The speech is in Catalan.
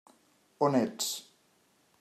On ets?